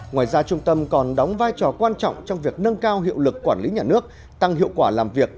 ngoài ra trung tâm còn đóng vai trò quan trọng trong việc nâng cao hiệu lực quản lý nhà nước tăng hiệu quả làm việc